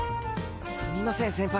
すみません先輩。